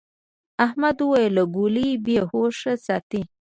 احمد وويل: گولۍ بې هوښه ساتلې.